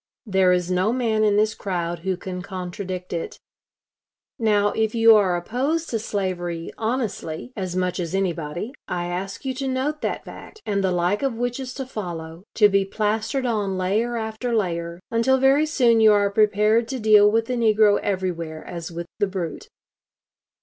There is no man in this crowd who can contradict it. Now, if you are opposed to slavery honestly, as much as anybody, I ask you to note that fact, and the like of which is to follow, to be plastered on layer after layer, until very soon you are prepared to deal with the negro everywhere as with the brute.